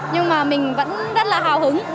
nhưng mà mình vẫn rất là hào hứng